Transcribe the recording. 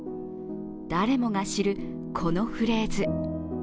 誰もが知る、このフレーズ。